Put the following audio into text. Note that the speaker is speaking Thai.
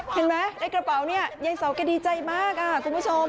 เห็นไหมในกระเป๋าเนี่ยยายเสาแกดีใจมากคุณผู้ชม